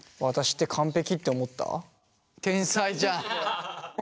天才じゃん。